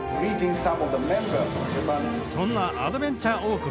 そんなアドベンチャー王国